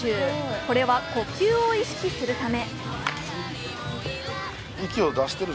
これは呼吸を意識するため。